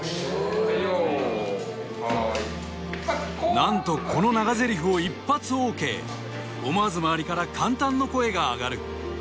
なんとこの長ぜりふを一発ＯＫ思わず周りから感嘆の声が上がる